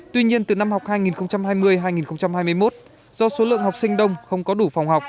tuy nhiên từ năm học hai nghìn hai mươi hai nghìn hai mươi một do số lượng học sinh đông không có đủ phòng học